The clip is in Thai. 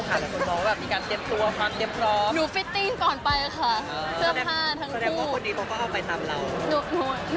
ก็เหมือนจะว่างพร้อมกันเลยจะนัดไปเจอกันเลย